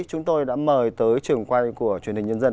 chúng tôi đã mời tới trường quay của truyền hình nhân dân